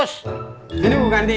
saya mau pergi